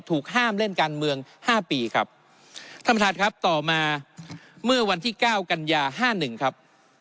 ถูกห้ามเล่นการเมืองห้าปีครับท่านประธานครับต่อมาเมื่อวันที่เก้ากันยาห้าหนึ่งครับ